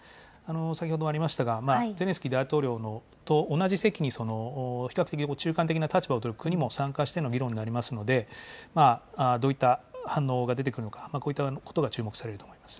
先ほどもありましたが、ゼレンスキー大統領と同じ席に比較的中間的な立場を取る国も参加しての議論になりますので、どういった反応が出てくるのか、こういったことが注目されると思います。